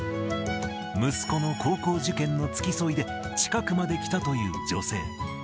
息子の高校受験の付き添いで、近くまで来たという女性。